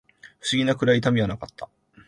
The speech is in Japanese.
不思議なくらい痛みはなかった